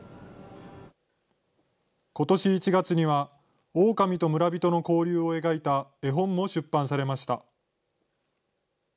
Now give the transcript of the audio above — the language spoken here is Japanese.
ことし１月には、オオカミと村人の交流を描いた絵本も出版されました。